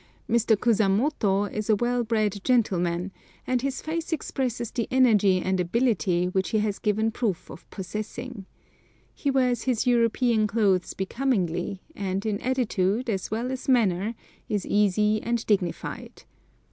Mr. Kusamoto is a well bred gentleman, and his face expresses the energy and ability which he has given proof of possessing. He wears his European clothes becomingly, and in attitude, as well as manner, is easy and dignified.